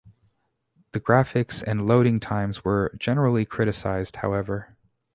The graphics and loading times were generally criticized, however.